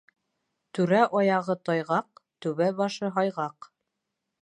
Түрә аяғы тайғаҡ, түбә башы һайғаҡ.